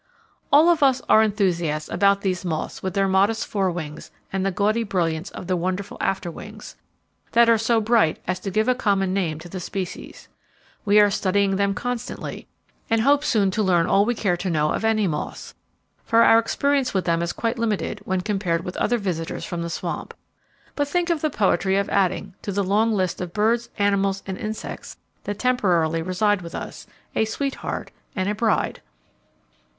All of us are enthusiasts about these moths with their modest fore wings and the gaudy brilliance of the wonderful 'after wings,' that are so bright as to give common name to the species. We are studying them constantly and hope soon to learn all we care to know of any moths, for our experience with them is quite limited when compared with other visitors from the swamp. But think of the poetry of adding to the long list of birds, animals and insects that temporarily reside with us, a Sweetheart and a Bride!